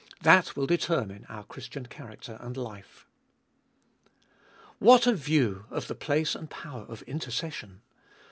That wilt determine our Christian character and life. 3. What a view of the place and power of intercession